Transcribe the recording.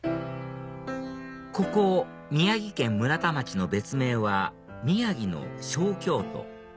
ここ宮城県村田町の別名は「宮城の小京都」